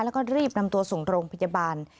แล้วก็รีบนำตัวส่งโรงพยาบาล